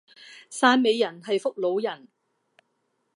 汕尾人係福佬人